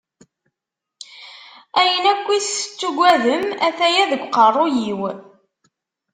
Ayen akkit tettugadem, ataya deg aqerru-iw.